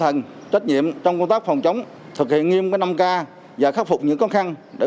thần trách nhiệm trong công tác phòng chống thực hiện nghiêm năm k và khắc phục những khó khăn đã